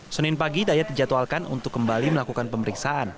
senin pagi dayat dijadwalkan untuk kembali melakukan pemeriksaan